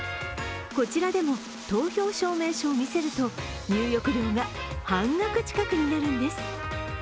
こちらでも、投票証明書を見せると入浴料が半額近くになるんです。